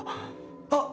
あっ！